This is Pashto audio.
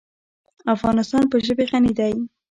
افغانستان په ژبې غني دی.